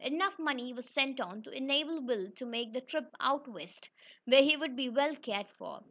Enough money was sent on to enable Will to make the trip out west, where he would be well cared for.